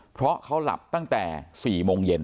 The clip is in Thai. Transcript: เพราะเขาหลับตั้งแต่๔โมงเย็น